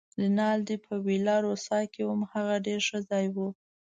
رینالډي: په ویلا روسا کې وم، هغه ډېر ښه ځای دی.